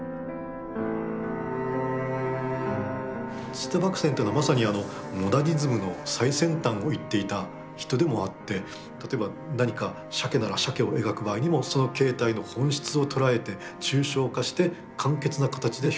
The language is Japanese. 土田麦僊というのはまさにモダニズムの最先端を行っていた人でもあって例えば何かシャケならシャケを描く場合にもその形態の本質を捉えて抽象化して簡潔な形で表現しようと考えると。